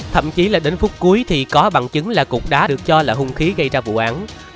thậm chí là đến phút cuối thì có bằng chứng là cục đá được cho là hung khí gây ra vụ án